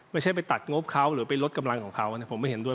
ไม่ใช่ไปตัดงบเขาหรือไปลดกำลังของเขาเนี่ยผมไม่เห็นด้วย